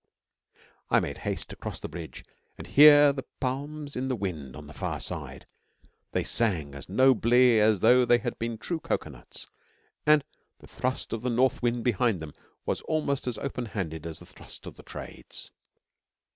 I made haste to cross the bridge and to hear the palms in the wind on the far side. They sang as nobly as though they had been true coconuts, and the thrust of the north wind behind them was almost as open handed as the thrust of the Trades.